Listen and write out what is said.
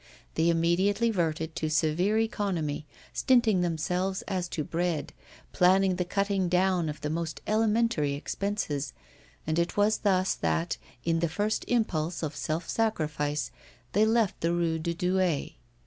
They immediately reverted to severe economy, stinting themselves as to bread, planning the cutting down of the most elementary expenses; and it was thus that, in the first impulse of self sacrifice, they left the Rue de Douai.